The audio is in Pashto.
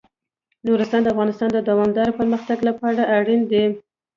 نورستان د افغانستان د دوامداره پرمختګ لپاره اړین دي.